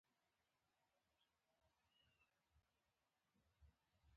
که را کښته کېږې را کښته سه کنې زه در څخه ځم.